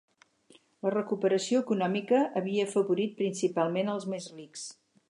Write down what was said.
La recuperació econòmica havia afavorit principalment als més rics.